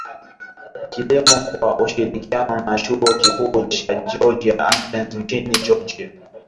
Kilimo kwa ushirikiano na Chuo Kikuu cha Georgia Athens nchini Georgia